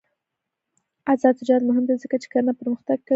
آزاد تجارت مهم دی ځکه چې کرنه پرمختګ کوي.